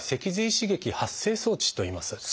「脊髄刺激発生装置」といいます。